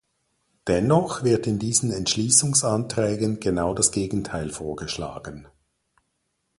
Dennoch wird in diesen Entschließungsanträgen genau das Gegenteil vorgeschlagen.